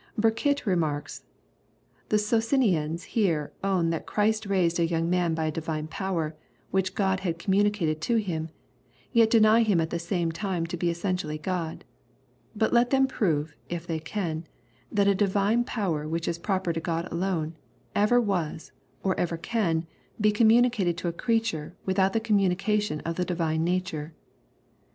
Burkitt remarks, " The Socinians here own that Christ raised thisyoung man by a divine power, which Gk)d had communicated to ELim, yet deny Him at the same time to be essentially G od, But let them prove, if they can, that a divine power which is proper to God alone, ever was, or ever can, be communicated to a creature, without the communication of the divine nature.